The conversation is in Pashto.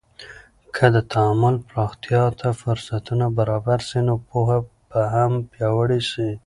که د تعامل پراختیا ته فرصتونه برابر سي، نو پوهه به هم پیاوړې سي.